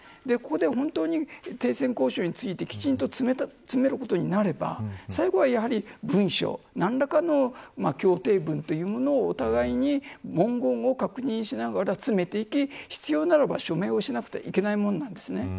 ここで本当に停戦交渉についてきちんと詰めることになれば最後はやはり文書何らかの協定文というものをお互いに文言を確認しながら詰めていき必要ならば、署名をしなくてはいけないものなんです。